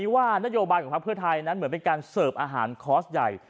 ว่านโยบายของพักเพื่อไทยนั้นเหมือนเป็นการเสิร์ฟอาหารคอร์สใหญ่